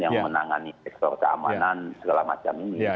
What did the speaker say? yang menangani ekstor keamanan segala macam ini kasih